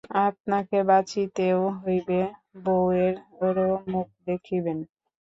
আপনাকে বাঁচিতেও হইবে, বউয়েরও মুখ দেখিবেন।